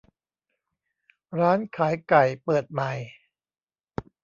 ร้านขายไก่เปิดใหม่